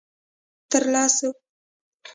_تر لسو.